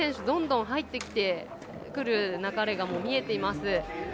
どんどん入ってくる流れが見えています。